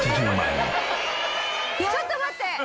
ちょっと待って！